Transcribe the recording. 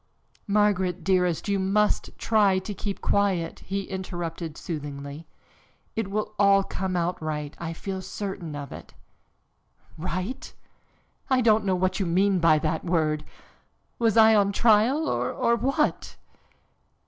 "Margaret, dearest, you must try to keep quiet," he interrupted soothingly. "It will all come out right, I feel certain of it." "Right? I don't know what you mean by that word. Was I on trial, or what?"